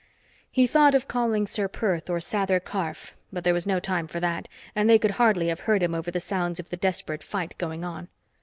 He thought of calling Ser Perth or Sather Karf, but there was no time for that, and they could hardly have heard him over the sounds of the desperate fight going on.